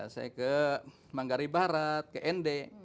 saya ke manggari barat ke nd